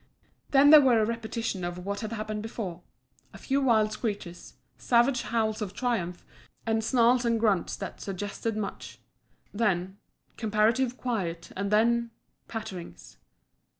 Then there was a repetition of what had happened before a few wild screeches, savage howls of triumph, and snarls and grunts that suggested much. Then comparative quiet, and then patterings.